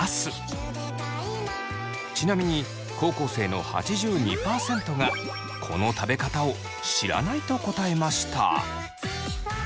ちなみに高校生の８２％がこの食べ方を「知らない」と答えました。